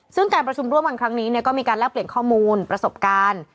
ซึ่งการประชุมร่วมกันครั้งนี้ก็มีการแลกเปลี่ยนข้อมูลประสบการณ์